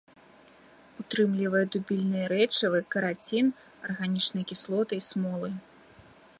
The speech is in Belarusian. Утрымлівае дубільныя рэчывы, карацін, арганічныя кіслоты і смолы.